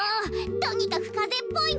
とにかくかぜっぽいの。